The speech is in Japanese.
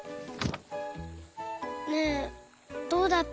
ねえどうだった？